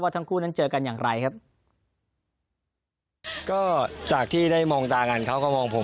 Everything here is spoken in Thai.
ทั้งคู่นั้นเจอกันอย่างไรครับก็จากที่ได้มองตากันเขาก็มองผม